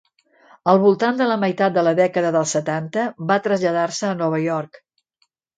Al voltant de la meitat de la dècada dels setanta, va traslladar-se a Nova York.